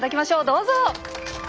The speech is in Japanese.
どうぞ！